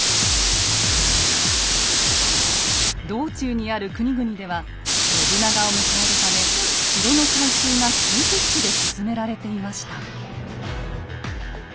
道中にある国々では信長を迎えるため城の改修が急ピッチで進められていました。